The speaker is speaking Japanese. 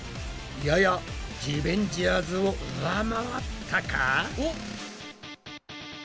ややリベンジャーズを上回ったか？